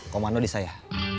komando di saya